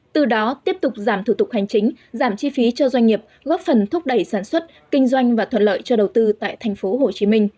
từ đó tiếp tục giảm thủ tục hành chính giảm chi phí cho doanh nghiệp góp phần thúc đẩy sản xuất kinh doanh và thuận lợi cho đầu tư tại tp hcm